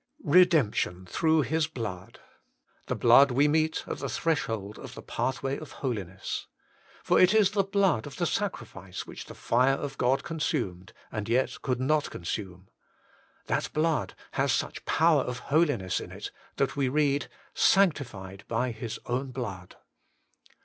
T. 'Redemption through His blood.' The blood we meet at the threshold of the pathway of Holiness. For it is the blood of the sacrifice which the fire of God consumed, and yet could not consume. That blood has such power of holiness In it, that uie read, 'Sanctified by His own blood.'